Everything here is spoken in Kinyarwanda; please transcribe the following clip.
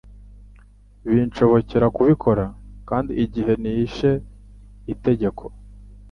binshobokera kubikora. Kandi igihe nishe itegeko